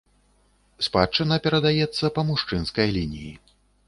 Спадчына перадаецца па мужчынскай лініі.